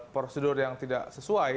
prosedur yang tidak sesuai